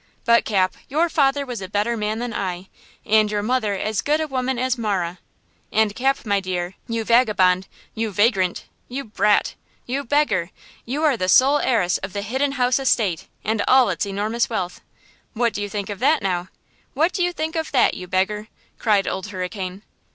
But Cap, your father was a better man than I, and your mother as good a woman as Marah. And Cap, my dear, you vagabond, you vagrant, you brat, you beggar, you are the sole heiress of the Hidden House estate and all its enormous wealth! What do you think of that, now? What do you think of that, you beggar?" cried Old Hurricane.